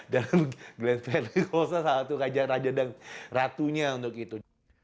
dan glenn fredly rosa salah satu raja dan ratunya untuk itu